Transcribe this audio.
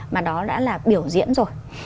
mà đó đã là biểu diễn rồi